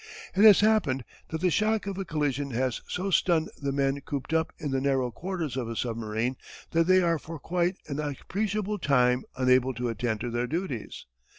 It has happened that the shock of a collision has so stunned the men cooped up in the narrow quarters of a submarine that they are for quite an appreciable time unable to attend to their duties.